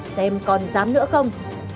xem còn dám nữa không